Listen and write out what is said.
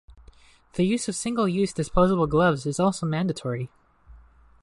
The use of single use disposable gloves is also mandatory.